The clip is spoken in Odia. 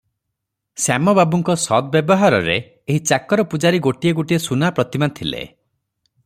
ଶ୍ୟାମ ବାବୁଙ୍କ ସଦ୍ ବ୍ୟବହାରରେ ଏହି ଚାକର ପୂଜାରୀ ଗୋଟିଏ ଗୋଟିଏ ସୁନା ପ୍ରତିମା ଥିଲେ ।